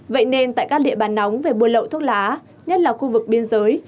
vậy nên tại các địa bàn nóng về buôn lậu thuốc lá nhất là khu vực biên giới